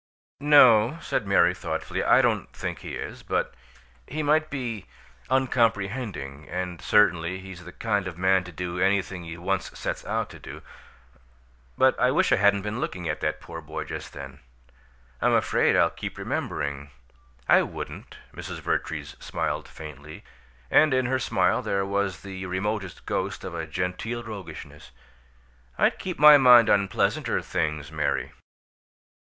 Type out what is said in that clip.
"No," said Mary, thoughtfully, "I don't think he is; but he might be uncomprehending, and certainly he's the kind of man to do anything he once sets out to do. But I wish I hadn't been looking at that poor boy just then! I'm afraid I'll keep remembering " "I wouldn't." Mrs. Vertrees smiled faintly, and in her smile there was the remotest ghost of a genteel roguishness. "I'd keep my mind on pleasanter things, Mary."